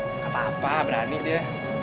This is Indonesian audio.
nggak apa apa berani dia